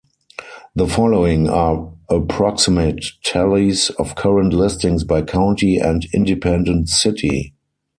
The following are approximate tallies of current listings by county and independent city.